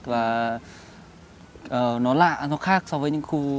và nó lạ nó khác so với những khu